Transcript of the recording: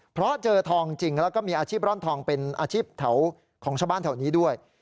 เพราะเจอทองจริงแล้วก็มีอาชีพร่อนทองเป็นอาชีพแถวของชาวบ้านแถวนี้ด้วย